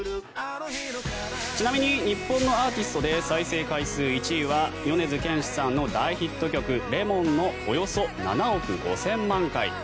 ちなみに日本のアーティストで再生回数１位は米津玄師さんの大ヒット曲「Ｌｅｍｏｎ」のおよそ７億５０００万回。